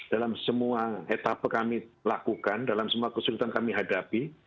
dalam semua etapa kami lakukan dalam semua kesulitan kami hadapi